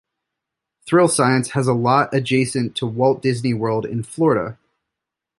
Thrill Science has a lot adjacent to Walt Disney World in Florida.